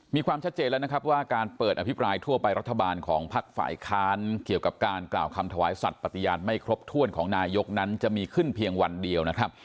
มีความชัดเจนแล้วนะครับว่าการเปิดอภิปรายทั่วไปรัฐบาลของพักฝ่ายค้านเกี่ยวกับการกล่าวคำถวายสัตว์ปฏิญาณไม่ครบถ้วนของนายกนั้นจะมีขึ้นเพียงวันเดียวนะครับ